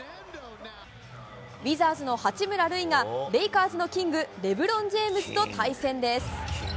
ウィザーズの八村塁がレイカーズのキングレブロン・ジェームズと対戦です。